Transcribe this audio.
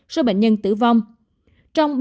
số bệnh nhân tử vong